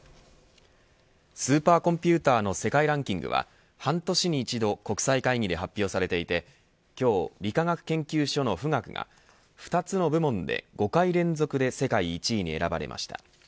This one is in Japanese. スーパーコンピューターの世界ランキングは半年に１度国際会議で発表されていて今日、理化学研究所の富岳が２つの部門で５回連続で世界１位に選ばれました。